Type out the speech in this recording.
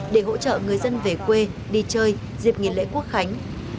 để hỗ trợ người dân về quê đi chơi dịp nghỉ lễ quốc khánh